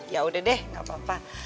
yaudah deh gak apa apa